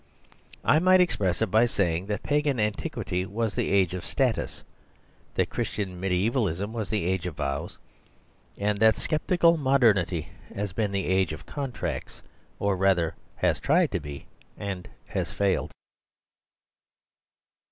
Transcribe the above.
I might ex press it by saying that pagan antiquity was The Stc/ry of the Vow 89 the age of status ; that Christian medievalism was the age of vows ; and that sceptical mod ernity has been the age of contracts ; or rather has tried to be, and has failed.